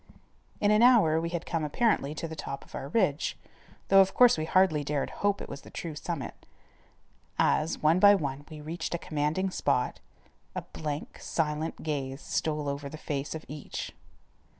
In an hour we had come apparently to the top of our ridge, though of course we hardly dared hope it was the true summit. As, one by one, we reached a commanding spot, a blank, silent gaze stole over the face of each.